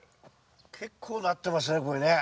結構なってますねこれね。